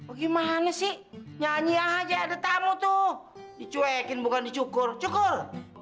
oh gimana sih nyanyi aja ada tamu tuh dicuekin bukan dicukur cukur